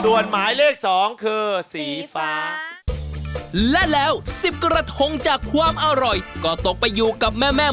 ส่วนหมายเลขสองคือสีฟ้าและแล้วสิบกระทงจากความอร่อยก็ตกไปอยู่กับแม่แม่